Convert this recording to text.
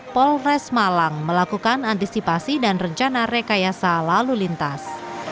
polres malang melakukan antisipasi dan rencana rekayasa lalu lintas